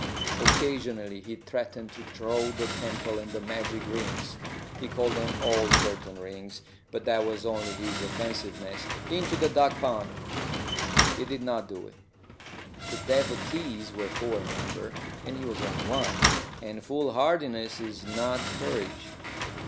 Occasionally he threatened to throw the temple and the magic rings (he called them "old curtain rings," but that was only his offensiveness) into the duck pond. He did not do it. The devotees were four in number, and he was only one, and foolhardiness is not courage.